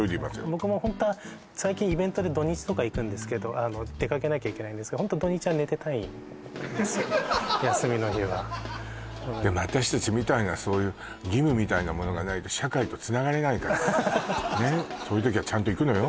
僕もホントは最近イベントで土日とか行くんですけど出かけなきゃいけないんですが休みの日はでも私達みたいなそういう義務みたいなものがないと社会とつながれないからそういう時はちゃんと行くのよ